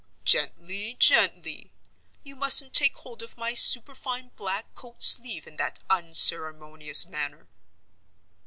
Gently! gently! you mustn't take hold of my superfine black coat sleeve in that unceremonious manner."